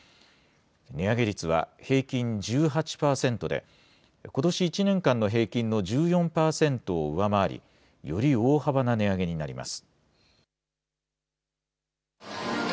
値上げ率は平均１８％でことし１年間の平均の１４％を上回り、より大幅な値上げになります。